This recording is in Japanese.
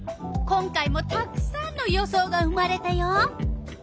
今回もたくさんの予想が生まれたよ。